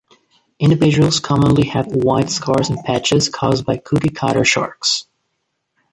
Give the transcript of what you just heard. Individuals commonly have white scars and patches caused by cookiecutter sharks.